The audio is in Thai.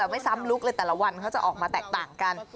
แต่ไม่ซ้ำลุคเลยแต่ละวันเขาจะออกมาแตกต่างกัน